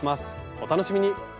お楽しみに。